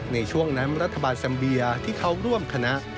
ในช่วงนั้นรัฐบาลแซมเบียที่เขาร่วมคณะ